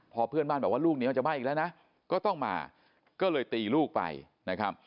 พอเพื่อนบ้านบอกว่าลูกเหนียวจากบ้านอีกแล้วนะก็ต้องมาก็เลยตีลูกไปนะครับ